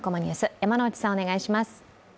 山内さん、お願いします。